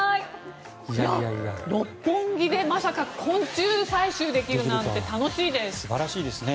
六本木でまさか昆虫採集できるなんて素晴らしいですね。